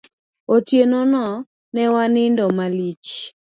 Otieno no, ne wanindo malich.